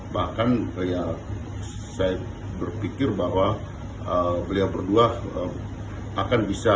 bahkan saya berpikir bahwa beliau berdua akan bisa